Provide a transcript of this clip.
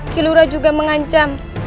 kilurah juga mengancam